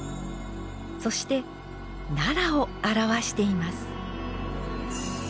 そして奈良を表しています。